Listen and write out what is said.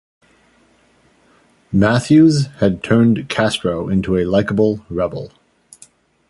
Matthews had turned Castro into a likable rebel.